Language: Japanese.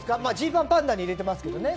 Ｇパンパンダに入れてますけどね。